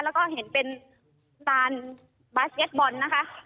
แล้วก็เห็นเป็นลานบาสเก็ตบอลนะคะ